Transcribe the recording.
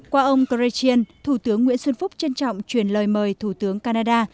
qua ông krechien thủ tướng nguyễn xuân phúc trân trọng truyền lời mời thủ tướng canada